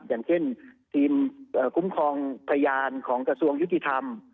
อย่างเช่นทีมคุ้มครองพยานของกระทรวงยุติธรรม